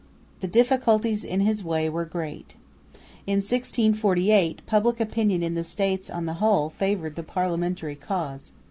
The difficulties in his way were great. In 1648 public opinion in the States on the whole favoured the Parliamentary cause.